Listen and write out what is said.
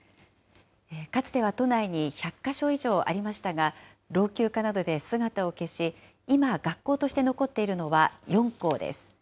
かつては都内に１００か所以上ありましたが、老朽化などで姿を消し、今、学校として残っているのは４校です。